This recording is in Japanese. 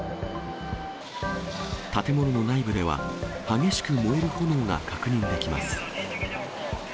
建物の内部では、激しく燃える炎が確認できます。